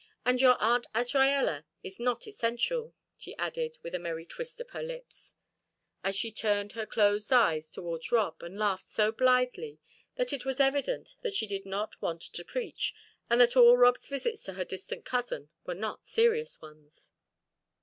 And your Aunt Azraella is not essential," she added, with a merry twist of her lips, as she turned her closed eyes toward Rob, and laughed so blithely that it was evident that she did not want to preach, and that all Rob's visits to her distant cousin were not serious ones.